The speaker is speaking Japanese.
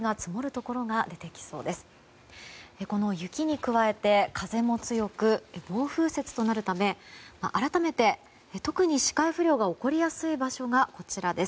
この雪に加えて風も強く暴風雪となるため改めて、特に視界不良が起こりやすい場所がこちら。